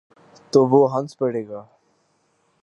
تو وہ ہنس پڑے گا۔